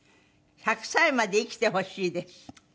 「１００歳まで生きてほしいです」